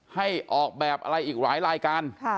ให้ออกแบบอะไรอีกหลายรายการ